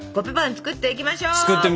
作ってみましょう！